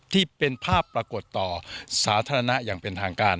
ที่เป็นภาพปรากฏต่อสาธารณะอย่างเป็นทางการ